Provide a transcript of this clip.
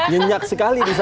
nyenyak sekali di sana